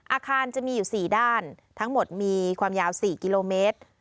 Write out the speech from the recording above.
อาคารจะมีอยู่๔ด้านทั้งหมดมีความยาว๔กิโลเมตร